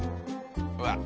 うわっ！